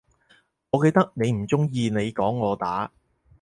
我記得你唔鍾意你講我打